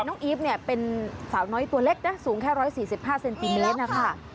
น้องอีฟเป็นสาวน้อยตัวเล็กนะสูงแค่๑๔๕เซนติเมตรนะคะมีแล้วค่ะ